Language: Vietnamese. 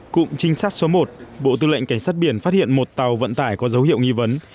cụm trinh sát số một bộ tư lệnh cảnh sát biển phát hiện một tàu vận tải có dấu hiệu nghi vấn